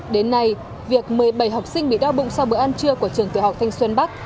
đến nay việc một mươi bảy học sinh bị đau bụng sau bữa ăn trưa của trường tiểu học thanh xuân bắc